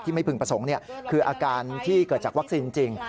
ไม่พึงประสงค์คืออาการที่เกิดจากวัคซีนจริง